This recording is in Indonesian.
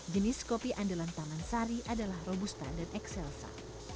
jenis kopi andalan taman sari adalah robusta dan ekselsa